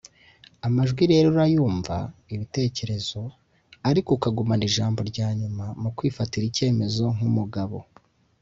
Amajwi rero urayumva (ibitekerezo) ariko ukagumana ijambo ryanyuma mu kwifatira icyemezo nk’umugabo